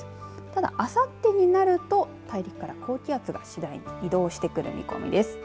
ただ、あさってになると大陸から高気圧が次第に移動してくる見込みです。